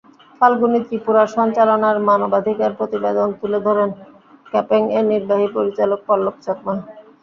ফাল্গুনী ত্রিপুরার সঞ্চালনায় মানবাধিকার প্রতিবেদন তুলে ধরেন কাপেংয়ের নির্বাহী পরিচালক পল্লব চাকমা।